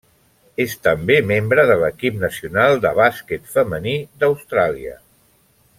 És també membre de l'equip nacional de bàsquet femení d'Austràlia.